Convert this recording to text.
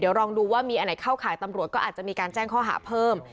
เดี๋ยวลองดูว่ามีอันไหนเข้าข่ายตำรวจก็อาจจะมีการแจ้งข้อหาเพิ่ม